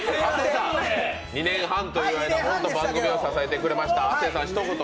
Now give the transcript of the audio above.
２年半という番組を支えてもらいました。